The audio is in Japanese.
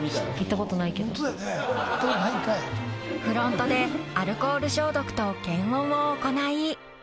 ［フロントでアルコール消毒と検温を行い］